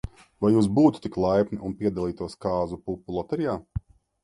Vai jūs būtu tik laipni, un piedalītos kāzu pupu loterijā?